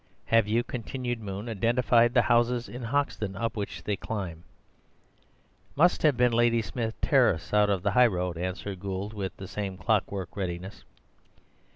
"Have you," continued Moon, "identified the houses in Hoxton up which they climbed?" "Must have been Ladysmith Terrace out of the highroad," answered Gould with the same clockwork readiness.